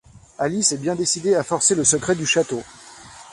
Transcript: Alice est bien décidée à forcer le secret du château...